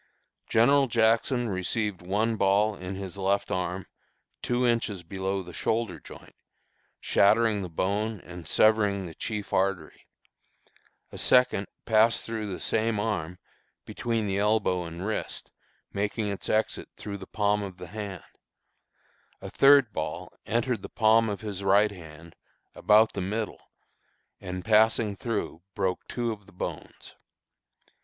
General Jackson received one ball in his left arm, two inches below the shoulder joint, shattering the bone and severing the chief artery; a second passed through the same arm, between the elbow and wrist, making its exit through the palm of the hand; a third ball entered the palm of his right hand, about the middle, and, passing through, broke two of the bones.